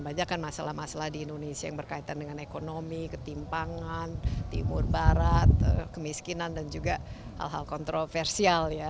banyak kan masalah masalah di indonesia yang berkaitan dengan ekonomi ketimpangan timur barat kemiskinan dan juga hal hal kontroversial ya